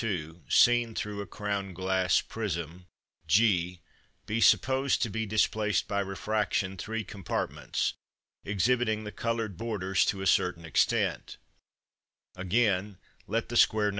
2, seen through a crown glass prism g, be supposed to be displaced by refraction three compartments, exhibiting the coloured borders to a certain extent; again, let the square No.